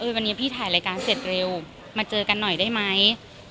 วันนี้พี่ถ่ายรายการเสร็จเร็วมาเจอกันหน่อยได้ไหม